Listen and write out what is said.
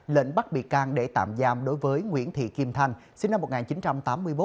lệnh bắt bị can để tạm giam đối với nguyễn thị kim thanh sinh năm một nghìn chín trăm tám mươi một